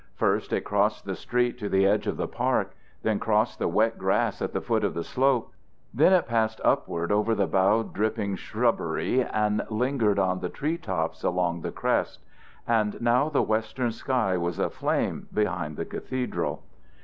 First it crossed the street to the edge of the park, then crossed the wet grass at the foot of the slope; then it passed upward over the bowed dripping shrubbery and lingered on the tree tops along the crest; and now the western sky was aflame behind the cathedral.